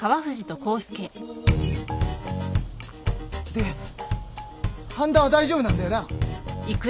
で半田は大丈夫なんだよな？